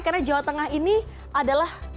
karena jawa tengah ini adalah